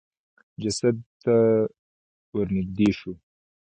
جسد د ته ورنېږدې شو.